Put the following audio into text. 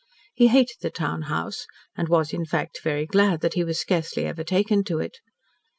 He hated the town house and was, in fact, very glad that he was scarcely ever taken to it.